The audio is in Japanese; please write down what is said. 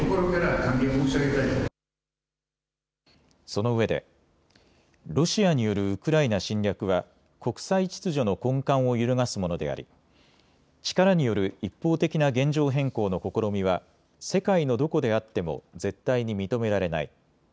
そのうえでロシアによるウクライナ侵略は国際秩序の根幹を揺るがすものであり力による一方的な現状変更の試みは世界のどこであっても絶対に認められない。